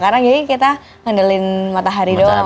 karena ini kita ngandelin matahari doang